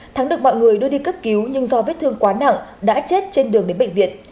thắng được mọi người đưa đi cấp cứu nhưng do vết thương quá nặng đã chết trên đường đến bệnh viện